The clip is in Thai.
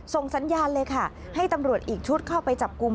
ส่งสัญญาณเลยค่ะให้ตำรวจอีกชุดเข้าไปจับกลุ่ม